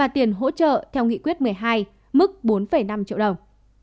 ba tiền hỗ trợ theo nghị quyết một mươi hai mức bốn năm triệu đồng